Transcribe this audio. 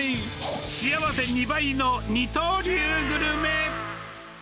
幸せ２倍の二刀流グルメ。